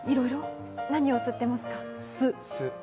何を吸ってますか？